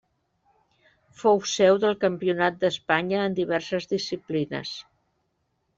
Fou seu del Campionat d’Espanya en diverses disciplines.